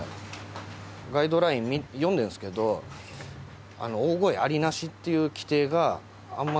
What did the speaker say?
ガイドライン読んでるんですけど大声ありなしっていう規定があんま